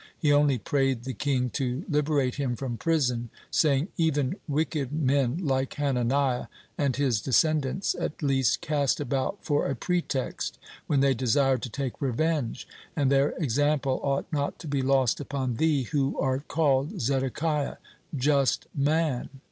He only prayed the king to liberate him from prison, saying: "Even wicked men like Hananiah and his descendants at least cast about for a pretext when they desire to take revenge, and their example ought not to be lost upon thee who art called Zedekiah, 'just man.'"